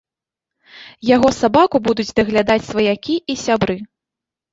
Яго сабаку будуць даглядаць сваякі і сябры.